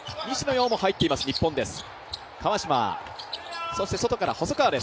曜も入っています、日本です。